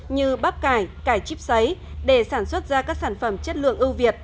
như bắp cải cải chip xấy để sản xuất ra các sản phẩm chất lượng ưu việt